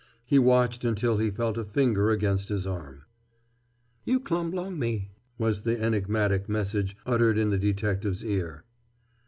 He watched until he felt a finger against his arm. "You clum b'long me," was the enigmatic message uttered in the detective's ear.